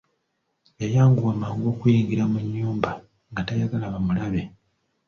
Yayanguwa mangu okuyingira mu nnyumba nga tayagala bamulabe.